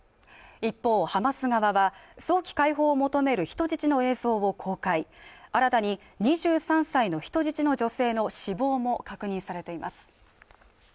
一方ハマス側は早期解放を求める人質の映像を公開新たに２３歳の人質の女性の死亡も確認されています